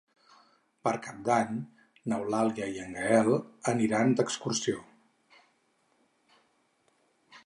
Per Cap d'Any n'Eulàlia i en Gaël aniran d'excursió.